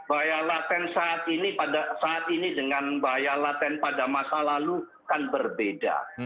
bahaya laten saat ini saat ini dengan bahaya laten pada masa lalu kan berbeda